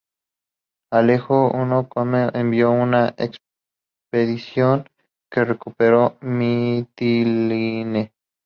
Alejo I Comneno envió una expedición que recuperó Mitilene.